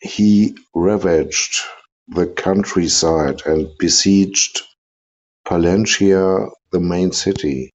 He ravaged the countryside and besieged Pallantia, the main city.